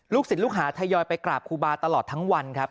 ศิลปลูกหาทยอยไปกราบครูบาตลอดทั้งวันครับ